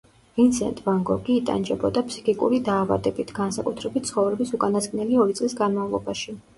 ვინსენტ ვან გოგი იტანჯებოდა ფსიქიკური დაავადებით, განსაკუთრებით ცხოვრების უკანასკნელი ორი წლის განმავლობაში.